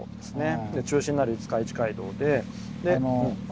中心になる五日市街道で。